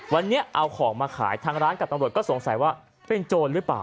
วันนี้เอาของมาขายทางร้านกับตำรวจก็สงสัยว่าเป็นโจรหรือเปล่า